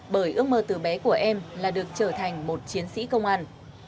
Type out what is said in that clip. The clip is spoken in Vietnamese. bởi ước mơ từ bé của em là được trở thành một chiến sĩ công an